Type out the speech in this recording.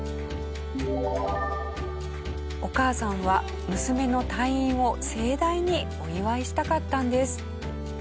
お母さんは娘の退院を盛大にお祝いしたかったんです。